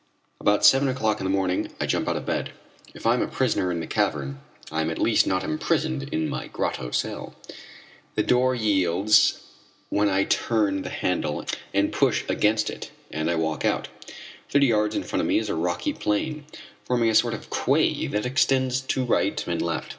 About seven o'clock in the morning I jump out of bed. If I am a prisoner in the cavern I am at least not imprisoned in my grotto cell. The door yields when I turn the handle and push against it, and I walk out. Thirty yards in front of me is a rocky plane, forming a sort of quay that extends to right and left.